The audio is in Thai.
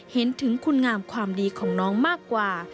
เห็นถึงคุณงามความดีของน้องมากกว่า